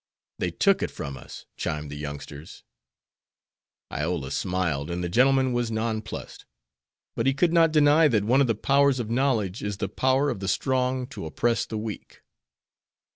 "They took it from us," chimed the youngsters. Iola smiled, and the gentleman was nonplussed; but he could not deny that one of the powers of knowledge is the power of the strong to oppress the weak.